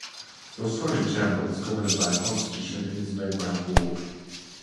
The Australian Chamber is governed by a constitution and is led by a Board.